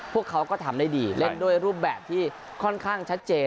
พวกเขาก็ทำได้ดีเล่นด้วยรูปแบบที่ค่อนข้างชัดเจน